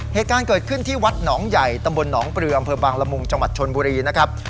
เหตุการณ์เกิดขึ้นที่วัดหนองใหญ่ตำบลหนองปริริยบรมจบุรีนะครับ